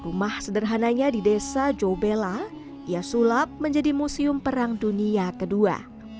rumah sederhananya di desa jobella ia sulap menjadi museum perang dunia kedua